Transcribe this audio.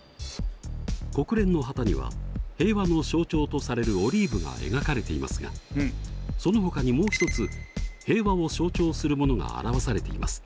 国連の旗には平和の象徴とされるオリーブが描かれていますがそのほかにもう一つ平和を象徴するものが表されています。